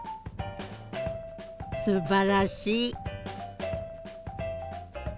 すばらしい。